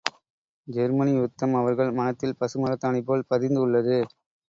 Germany யுத்தம் அவர்கள் மனத்தில் பசுமரத்தாணி போல் பதிந்து உள்ளது.